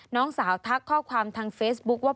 น้องสาวทักข้อความทางเฟซบุ๊คว่า